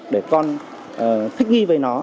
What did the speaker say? để con thích nghi với nó